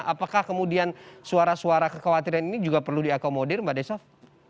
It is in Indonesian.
apakah kemudian suara suara kekhawatiran ini juga perlu diakomodir mbak desaf